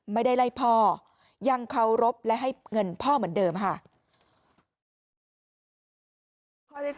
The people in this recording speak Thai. ไม่ได้ไล่พ่อยังเคารพและให้เงินพ่อเหมือนเดิมค่ะ